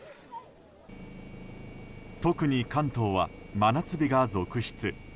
特に関東は真夏日が続出。